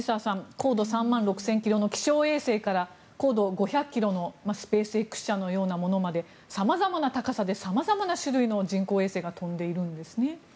高度３万６０００ｋｍの気象衛星から高度５００ｋｍのスペースＸ社のようなものまで様々な高さで様々な種類の人工衛星が飛んでいるんですね。